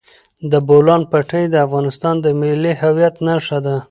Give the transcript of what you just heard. د بولان پټي د افغانستان د ملي هویت نښه ده.